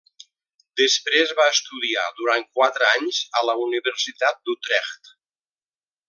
Després va estudiar durant quatre anys a la Universitat d'Utrecht.